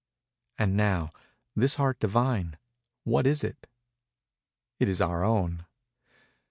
And now—this Heart Divine—what is it? _It is our own.